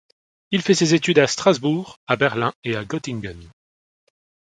Il fait ses études à Strasbourg, à Berlin et à Göttingen.